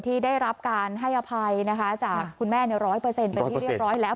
ที่ได้รับการให้อภัยนะคะจากคุณแม่๑๐๐เป็นที่เรียบร้อยแล้ว